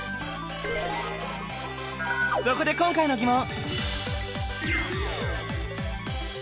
そこで今回の疑問！